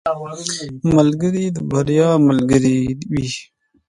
ملګری د بریا ملګری وي.